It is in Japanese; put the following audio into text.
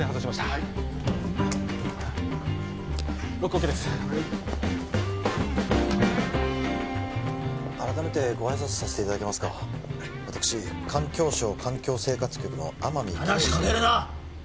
はいロックＯＫですはい改めてご挨拶させていただけますか私環境省・環境生活局の天海話しかけるな！